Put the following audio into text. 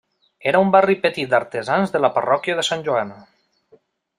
Era un barri petit d'artesans de la parròquia de Sant Joan.